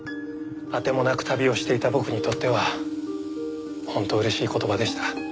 当てもなく旅をしていた僕にとっては本当嬉しい言葉でした。